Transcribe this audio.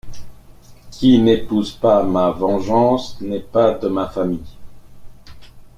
Qui n’épouse pas ma vengeance, n’est pas de ma famille.